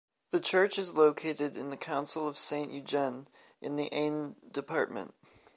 The church is located in the council of Saint-Eugène, in the Aisne department.